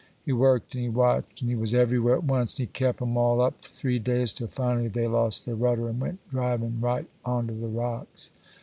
He worked, and he watched, and he was everywhere at once, and he kep' 'em all up for three days, till finally they lost their rudder, and went drivin' right onto the rocks.